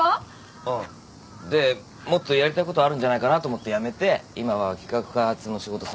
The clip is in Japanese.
ああでもっとやりたいことあるんじゃないかなと思って辞めて今は企画開発の仕事探してる。